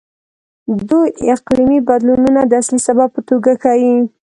دوی اقلیمي بدلونونه د اصلي سبب په توګه ښيي.